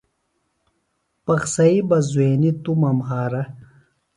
پخسئی بہ زُوئینی توۡ مہ نہ مھارہ۔